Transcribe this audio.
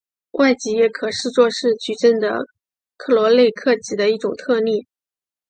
外积也可视作是矩阵的克罗内克积的一种特例。